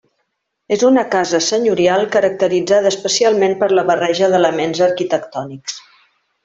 És una casa senyorial caracteritzada especialment per la barreja d'elements arquitectònics.